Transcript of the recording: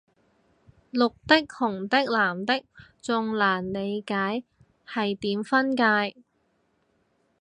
綠的紅的藍的仲難理解係點分界